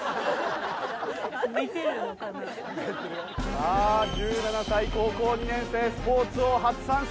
さあ１７歳高校２年生『スポーツ王』初参戦。